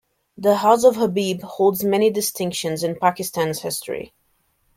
The House of Habib holds many distinctions in Pakistan's history.